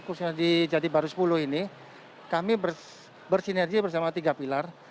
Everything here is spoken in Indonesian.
khususnya di jati baru sepuluh ini kami bersinergi bersama tiga pilar